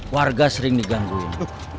warga sering digangguin